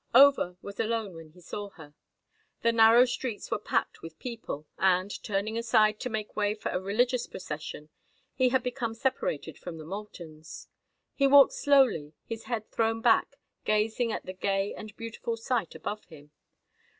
Over was alone when he saw her. The narrow streets were packed with people, and, turning aside to make way for a religious procession, he had become separated from the Moultons. He walked slowly, his head thrown back, gazing at the gay and beautiful sight above him.